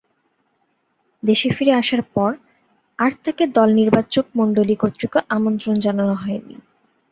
দেশে ফিরে আসার পর আর তাকে দল নির্বাচকমণ্ডলী কর্তৃক আমন্ত্রণ জানানো হয়নি।